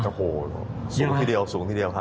โอ้โหสูงทีเดียวสูงทีเดียวค่ะ